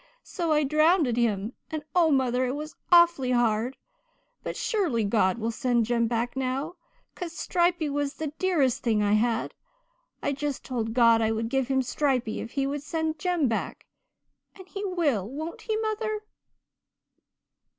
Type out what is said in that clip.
So I drownded him and, oh mother, it was awful hard but surely God will send Jem back now, 'cause Stripey was the dearest thing I had. I just told God I would give Him Stripey if He would send Jem back. And He will, won't He, mother?'